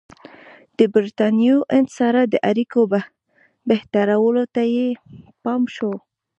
د برټانوي هند سره د اړیکو بهترولو ته یې پام شو.